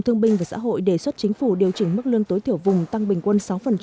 thương binh và xã hội đề xuất chính phủ điều chỉnh mức lương tối thiểu vùng tăng bình quân sáu